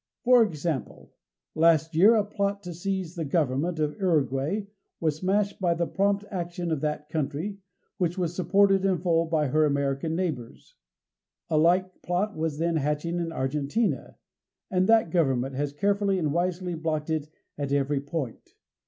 For example, last year a plot to seize the government of Uruguay was smashed by the prompt action of that country, which was supported in full by her American neighbors. A like plot was then hatching in Argentina, and that government has carefully and wisely blocked it at every point.